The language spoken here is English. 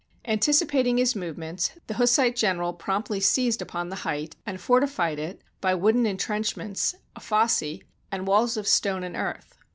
Anticipating his movements, the Hussite general promptly seized upon the height, and fortified it, by wooden intrenchments, a fosse, and walls of stone and earth.